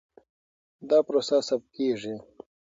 دا پروسه ثبت کېږي.